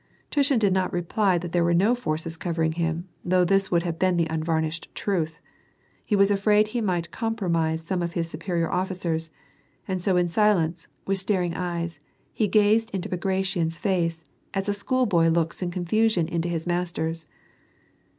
Tushin did not reply that there were not forces covering him, though this would have heen the unvarnished truth. He was afraid he might compromise some of his superior officers, and so in silence, with staring eyes, he gazed into Bagration's face, as a schoolboy looks in confusion into his master's.